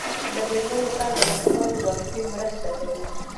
د میرمنو کار د ماشومانو واکسین مرسته کوي.